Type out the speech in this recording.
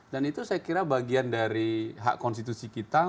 dan itu saya kira bagian dari hak konstitusi kita untuk